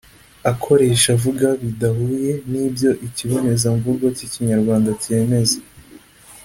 akoresha avuga bidahuye n’ibyo ikibonezamvugo k’ikinyarwanda kemeza